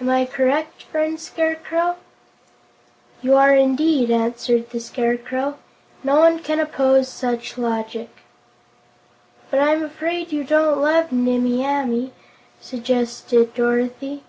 Am I correct, friend Scarecrow?" "You are, indeed," answered the Scarecrow. "No one can oppose such logic." "But I'm afraid you don't love Nimmie Amee," suggested Dorothy.